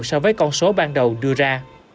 so với con số ban đầu đưa ra